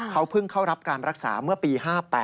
เขาเพิ่งเข้ารับการรักษาเมื่อปี๕๘